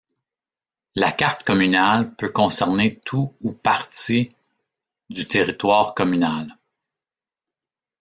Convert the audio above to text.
La carte communale peut concerner tout ou partie du territoire communal.